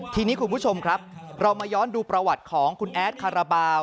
ทีนี้คุณผู้ชมครับเรามาย้อนดูประวัติของคุณแอดคาราบาล